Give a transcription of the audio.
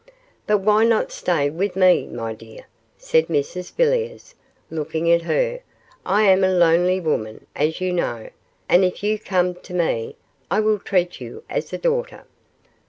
'But why not stay with me, my dear?' said Mrs Villiers, looking at her; 'I am a lonely woman, as you know, and if you come to me, I will treat you as a daughter.